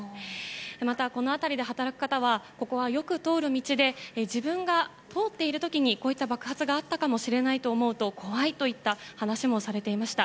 また、この辺りで働く方はここはよく通る道で自分が通っている時にこういった爆発があったかもしれないと思うと怖いといった話もされていました。